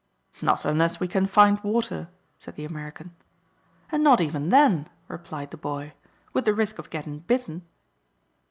"Not unless we can find water," said the American. "And not even then," replied the boy, "with the risk of getting bitten."